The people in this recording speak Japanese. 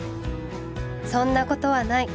そんなことはない！